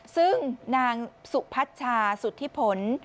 ซึ่งนางสุพัชชาสุธิพล